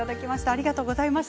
ありがとうございます。